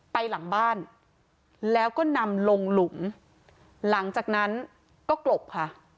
ไปหลังบ้านแล้วก็นำลงหลุมหลังจากนั้นก็กลบค่ะ